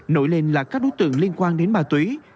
nổi lên là các đối tượng liên quan đến ma túy